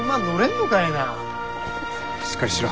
しっかりしろ。